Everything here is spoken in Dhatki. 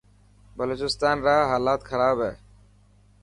بلوچستان را هالات خراب هي.